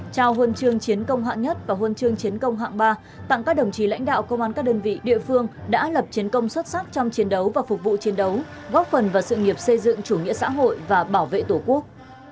trao huân chương chiến công hạng nhất và huân chương chiến công hạng ba tặng các đồng chí lãnh đạo công an các đơn vị địa phương đã lập chiến công xuất sắc trong chiến đấu và phục vụ chiến đấu góp phần vào sự nghiệp xây dựng chủ nghĩa xã hội và bảo vệ tổ quốc